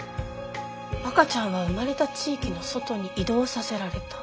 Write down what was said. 赤ちゃんは産まれた地域の外に移動させられた。